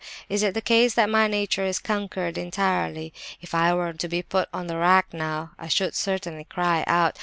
Is it the case that my nature is conquered entirely? If I were to be put on the rack now, I should certainly cry out.